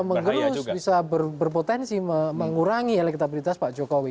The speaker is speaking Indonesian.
ya terus bisa berpotensi mengurangi elektabilitas pak jokowi